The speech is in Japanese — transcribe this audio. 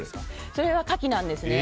それはカキなんですね。